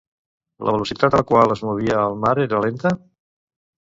La velocitat a la qual es movia el mar era lenta?